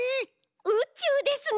うちゅうですね。